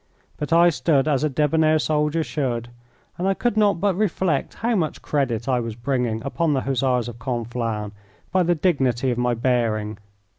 But I stood as a debonair soldier should, and I could not but reflect how much credit I was bringing upon the Hussars of Conflans by the dignity of my bearing.